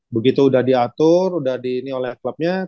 begitu udah diatur udah diini oleh klubnya